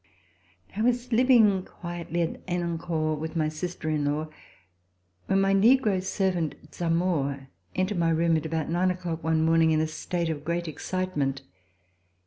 I was living quietly at Henencourt with my sister in law, when my negro servant, Zamore, entered my room at about nine o'clock one morning in a state of great excitement.